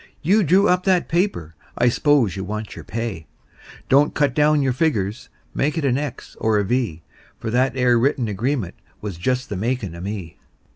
You drew up that paper I s'pose you want your pay. Don't cut down your figures; make it an X or a V; For that 'ere written agreement was just the makin' of me.